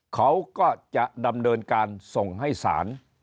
เขาก็จะดำเนินการส่งให้ศาล